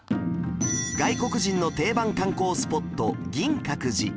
外国人の定番観光スポット銀閣寺